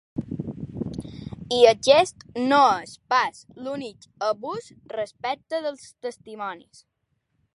I aquest no és pas l’únic abús respecte dels testimonis.